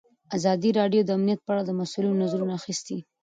ازادي راډیو د امنیت په اړه د مسؤلینو نظرونه اخیستي.